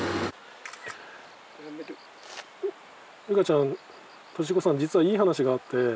ユカちゃんトシヒコさん実はいい話があって。